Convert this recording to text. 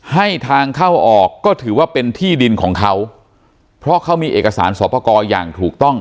ให้ทางเข้าออกก็ถือว่าเป็นที่ดินของเขาเพราะเขามีเอกสารสอบประกอบอย่างถูกต้อง